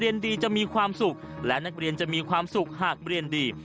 เรียนดีจะมีความสุขและนักเรียนจะมีความสุขหากเรียนดี